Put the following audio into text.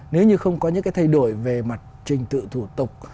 nếu như không có những cái thay đổi về mặt trình tự thủ tục